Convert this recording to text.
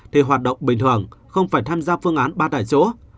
thì hoạt động bình thường không phải tham gia phương án ba tại chỗ